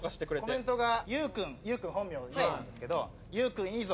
コメントが「ゆうくん」本名「ゆう」なんですけど「ゆうくんいいぞ！